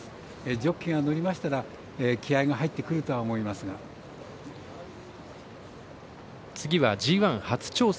ジョッキーが乗りましたら気合いが入ってくるとは次はＧＩ初挑戦。